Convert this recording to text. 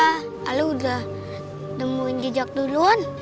aduh udah nemuin jejak duluan